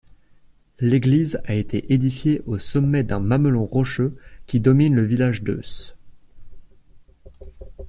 L'église a été édifiée au sommet d'un mamelon rocheux qui domine le village d'Eus.